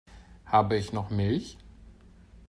Habe ich noch Milch?